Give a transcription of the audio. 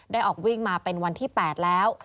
ออกวิ่งมาเป็นวันที่๘แล้ว